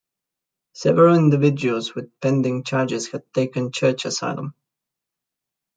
Several individuals with pending charges had taken church asylum.